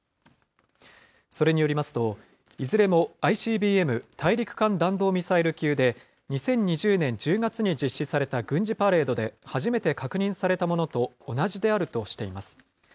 それによりますと、いずれもＩＣＢＭ・大陸間弾道ミサイル級で２０２０年１０月に実施された軍事パレードで初めて確認されたものと同じであるとしています。